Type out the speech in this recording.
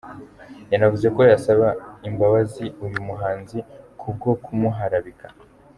Yanavuze ko yasaba imbabazi uyu muhanzi ku bwo kumuharabika.